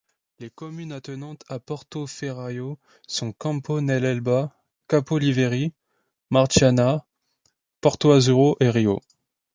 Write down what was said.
Les communes attenantes à Portoferraio sont Campo nell'Elba, Capoliveri, Marciana, Porto Azzurro et Rio.